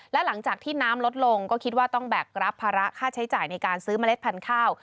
และหลังจากที่น้ำลดลงก็คิดว่าต้องแบกรับภาระค่าใช้จ่ายในการซื้อเมล็ดพันธุ์ข้าว